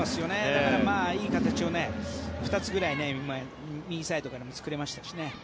だから、いい形を２つくらい今、右サイドからも作れましたしね。